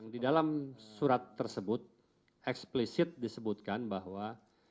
di dalam surat tersebut eksplisit disebutkan bahwa